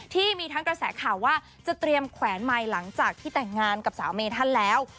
ที่มีทั้งกระแสข่าวว่าจะเตรียมแขวนไมค์หลังจากที่แต่งงานกับสาวเมธันแล้ว